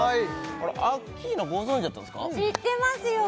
アッキーナご存じだったんですか知ってますよ！